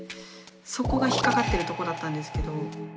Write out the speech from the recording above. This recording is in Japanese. そこが引っ掛かってるとこだったんですけど。